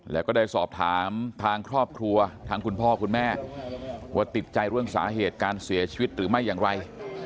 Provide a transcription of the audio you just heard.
แล้วก็ได้สอบถามทางครอบครัวทางคุณพ่อคุณแม่ว่าติดใจเรื่องสาเหตุการเสียชีวิตหรือไม่อย่างไร